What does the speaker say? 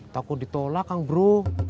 takut ditolak kang bro